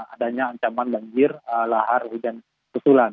adanya ancaman banjir lahar hujan susulan